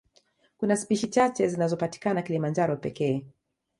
Kuna spishi chache zinazopatikana Kilimanjaro pekee